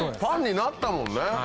パンになったもんね。